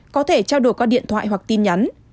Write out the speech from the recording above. có thể trao đổi qua điện thoại hoặc tin nhắn